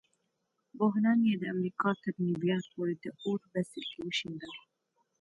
بحران یې د امریکا تر نیویارک پورې د اور بڅري وشیندل.